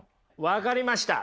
分かりました！